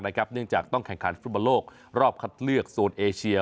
เนื่องจากต้องแข่งขันฟุตบอลโลกรอบคัดเลือกโซนเอเชีย